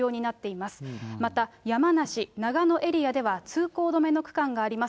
また、山梨、長野エリアでは通行止めの区間があります。